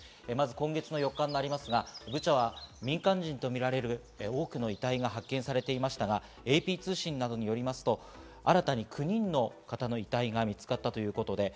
今月４日、ブチャは民間人とみられる多くの遺体が発見されていましたが、ＡＰ通信などによりますと、新たに９人の方の遺体が見つかったということです。